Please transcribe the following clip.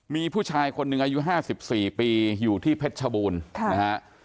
มีผู้ชายคนหนึ่งอายุ๕๔ปีอยู่ที่เพชรชบูรณ์นะฮะ